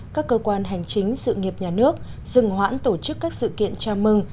các cơ quan hành chính sự nghiệp nhà nước dừng hoãn tổ chức các sự kiện chào mừng